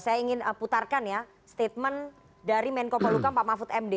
saya ingin putarkan ya statement dari menko polhukam pak mahfud md